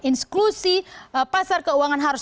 insklusi pasar keuangan harus